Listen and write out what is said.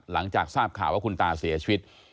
หลังจากทราบข่าวว่าคุณตาเสียชีวิต